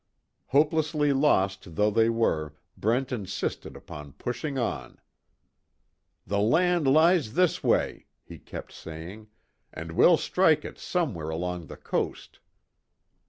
Hopelessly lost though they were, Brent insisted upon pushing on. "The land lies this way," he kept saying, "and we'll strike it somewhere along the coast."